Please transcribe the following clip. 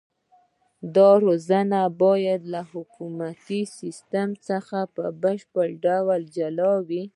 دا روزنه باید له حکومتي سیستم څخه په بشپړ ډول جلا وي.